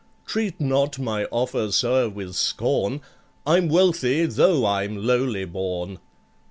Treat not my offer, sir, with scorn, I'm wealthy though I'm lowly born."